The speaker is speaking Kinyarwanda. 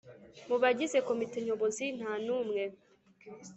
Mu bagize komite nyobozi nta n umwe